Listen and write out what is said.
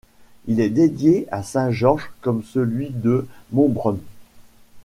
Il est dédié à saint Georges, comme celui de Montbronn.